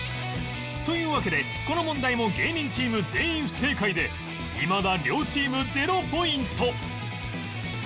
というわけでこの問題も芸人チーム全員不正解でいまだ両チーム０ポイント